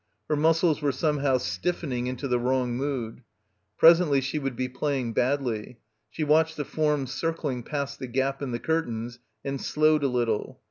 Her muscles were somehow stiffening into the wrong mood. Presently she would be playing badly. She watched the forms circling past the gap in the curtains and slowed a little.